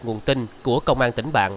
nguồn tin của công an tỉnh bạn